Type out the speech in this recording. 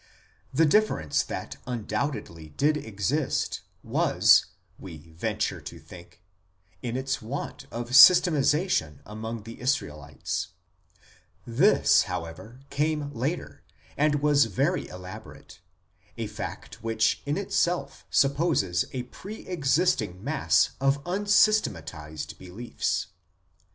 The difference that undoubtedly did exist, was, we venture to think, in its want of systematiza 10 IMMORTALITY AND THE UNSEEN WORLD tion among the Israelites. This, however, came later, and was very elaborate a fact which in itself supposes a pre existing mass of unsystematized beliefs.